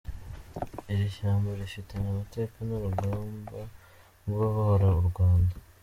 Iri shyamba rifitanye amateka n’urugamba rwo ubohora u Rwanda.